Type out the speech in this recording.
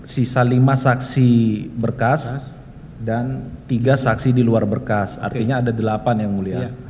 sisa lima saksi berkas dan tiga saksi di luar berkas artinya ada delapan yang mulia